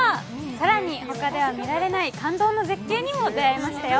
更にほかでは見られない感動の絶景にも出会いましたよ。